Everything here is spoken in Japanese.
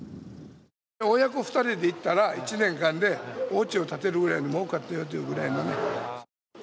親子２人で行ったら１年間でおうちを建てるぐらいもうかったよというぐらいのね。